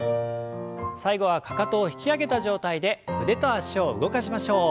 最後はかかとを引き上げた状態で腕と脚を動かしましょう。